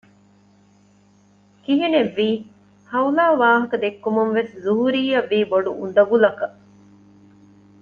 ކިހިނެއްވީ; ހައުލާ ވާހަކަ ދެއްކުމުންވެސް ޒުހުރީއަށް ވީ ބޮޑު އުނދަގުލަކަށް